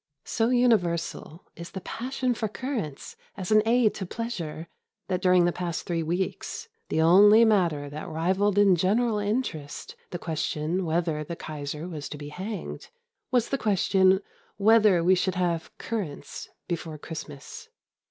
So universal is the passion for currants as an aid to pleasure that during the past three weeks the only matter that rivalled in general interest the question whether the Kaiser was to be hanged was the question whether we should have currants before Christmas.